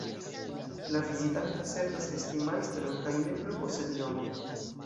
La vizitanto asertas esti "Majstro" kaj ne plu posedi nomon.